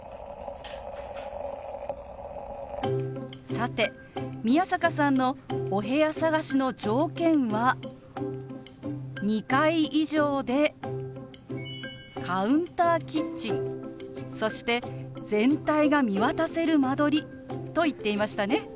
さて宮坂さんのお部屋探しの条件は２階以上でカウンターキッチンそして全体が見渡せる間取りと言っていましたね。